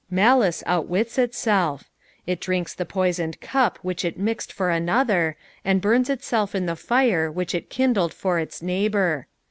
Malice outwits itself. It drinks the poisoned cup which it mixed for another, and burns itself in the fire which it kindled for ita neighbour.